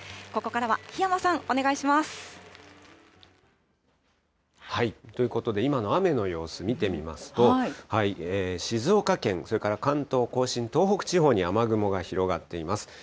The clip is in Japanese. ここからは檜山さん、お願いしまということで、今の雨の様子見てみますと、静岡県、それから関東甲信、東北地方に雨雲が広がっています。